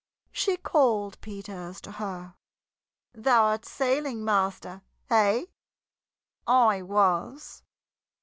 she called Peters to her. "Thou'rt sailing master, hey?" "I was."